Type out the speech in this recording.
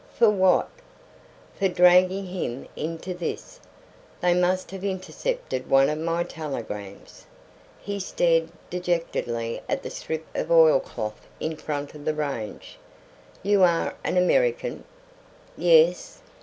"For what?" "For dragging him into this. They must have intercepted one of my telegrams." He stared dejectedly at the strip of oilcloth in front of the range. "You are an American?" "Yes."